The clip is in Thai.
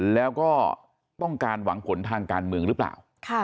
แล้วก็ต้องการหวังผลทางการเมืองหรือเปล่า